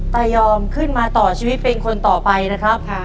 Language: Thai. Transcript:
ตายอมขึ้นมาต่อชีวิตเป็นคนต่อไปนะครับ